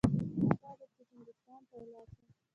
ښه داده چې هندوستان ته ولاړ شم.